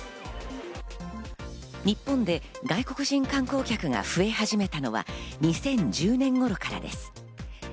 日本で外国人観光客が増え始めたのは２０１０年頃からです。